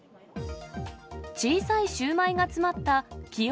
小さいシューマイが詰まった崎陽